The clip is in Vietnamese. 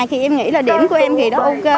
thì em nghĩ là điểm của em thì đó ok